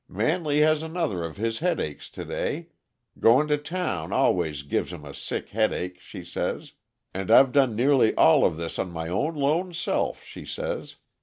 'Manley has another of his headaches to day going to town always gives him a sick headache,' she says, 'and I've done nearly all of this my own, lone self,' she says.